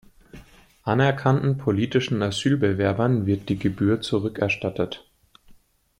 Anerkannten politischen Asylbewerbern wird die Gebühr zurückerstattet.